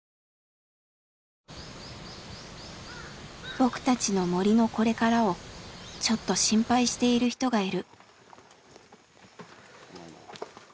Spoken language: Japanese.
僕たちの森のこれからをちょっと心配している人がいる。